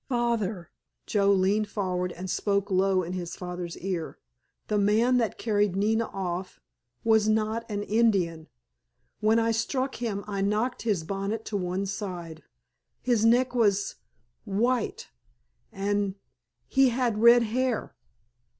"Father"—Joe leaned forward and spoke low in his father's ear—"the man that carried Nina off was not an Indian! When I struck him I knocked his bonnet to one side, his neck was white—and _he had red hair!